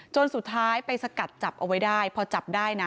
สุดท้ายไปสกัดจับเอาไว้ได้พอจับได้นะ